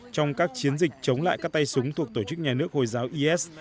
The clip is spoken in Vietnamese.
trong các chiến dịch chống lại các tay súng thuộc tổ chức nhà nước hồi giáo is